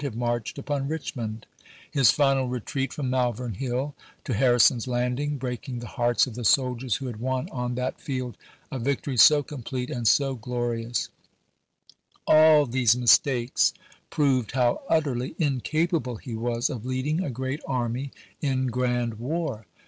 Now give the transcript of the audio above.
have marched upon Richmond; his final retreat from Malvern Hill to Harrison's Landing, breaking the hearts of the soldiers who had won on that field a victory so complete and so glorious — all these mistakes proved how utterly incapable he was of leading a great army in grand war.